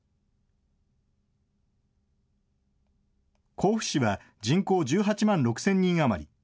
甲府市は人口１８万６０００人余り。